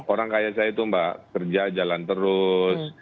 orang kaya saya itu mbak kerja jalan terus